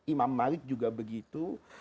imam malik juga begitu